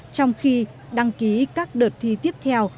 trong khi đăng ký các đợt thi tiếp theo